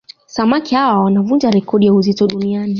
Samaki hawa wanavunja rekodi ya uzito duniani